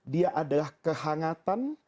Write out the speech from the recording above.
dia adalah kehangatan